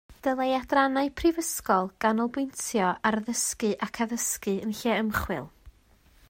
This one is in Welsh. Dylai adrannau prifysgol ganolbwyntio ar ddysgu ac addysgu yn lle ymchwil